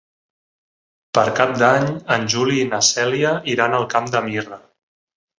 Per Cap d'Any en Juli i na Cèlia iran al Camp de Mirra.